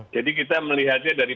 jadi kita melihatnya dari